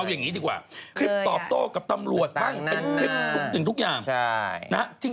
เอาอย่างนี้ดีกว่าคลิปตอบโต้กับตำรวจหลายคลิปถึงทุกอย่าง